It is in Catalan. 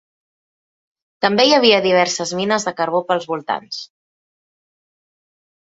També hi havia diverses mines de carbó pels voltants.